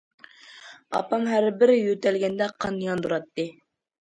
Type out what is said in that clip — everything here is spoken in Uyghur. ئاپام ھەر بىر يۆتەلگەندە قان ياندۇراتتى.